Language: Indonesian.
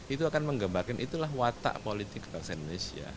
itu akan mengembangkan itulah watak politik indonesia